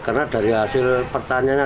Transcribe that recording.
karena dari hasil pertaniannya